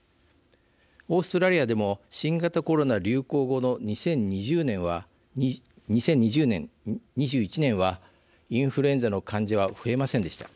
オーストラリアでも新型コロナ流行後の２０２０年、２１年はインフルエンザの患者は増えませんでした。